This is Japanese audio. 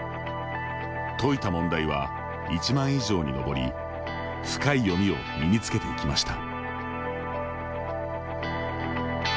解いた問題は１万以上に上り深い読みを身につけていきました。